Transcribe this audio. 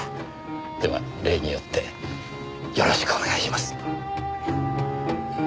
では例によってよろしくお願いします。